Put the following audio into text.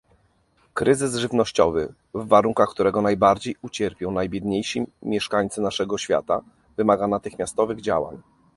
Kryzys żywnościowy, w warunkach którego najbardziej ucierpią najbiedniejsi mieszkańcy naszego świata, wymaga natychmiastowych działań